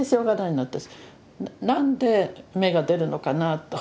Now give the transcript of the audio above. なんで芽が出るのかなぁと。